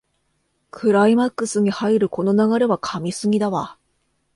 クライマックスに入るこの流れは神すぎだわ